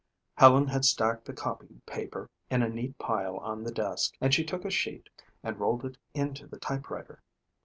Helen had stacked the copypaper in a neat pile on the desk and she took a sheet and rolled it into the typewriter.